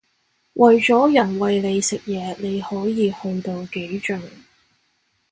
為咗人餵你食嘢你可以去到幾盡